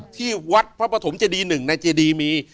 ที่วัดพระปฐมเจดีหนึ่งในเจดีมี